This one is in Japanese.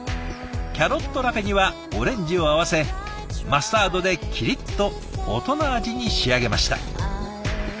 キャロットラペにはオレンジを合わせマスタードでキリッと大人味に仕上げました。